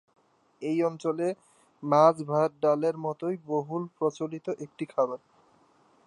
এই অঞ্চলে মাছ-ভাত-ডালের মতই বহুল প্রচলিত একটি খাবার।